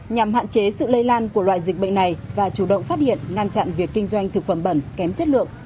nhằm hạn chế sự lây lan của loại dịch bệnh này và chủ động phát hiện ngăn chặn việc kinh doanh thực phẩm bẩn kém chất lượng